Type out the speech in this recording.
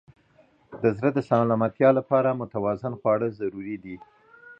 د زړه د سلامتیا لپاره متوازن خواړه ضروري دي.